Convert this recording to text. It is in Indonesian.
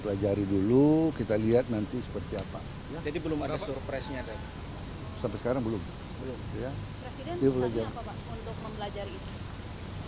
presiden misalnya apa pak untuk mempelajari